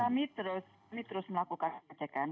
kami terus melakukan pengecekan